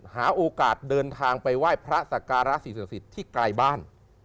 หาโอกาสเดินทางไปไหว้พระสักการะศิษฐศิษฐ์ที่ไกลบ้าน